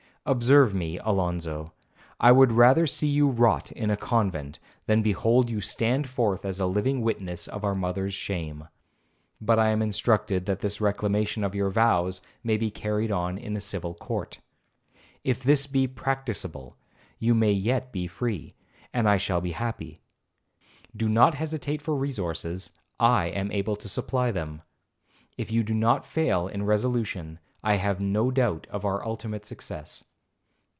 Observe me, Alonzo, I would rather see you rot in a convent, than behold you stand forth as a living witness of our mother's shame. But I am instructed that this reclamation of your vows may be carried on in a civil court: If this be practicable, you may yet be free, and I shall be happy. Do not hesitate for resources, I am able to supply them. If you do not fail in resolution, I have no doubt of our ultimate success.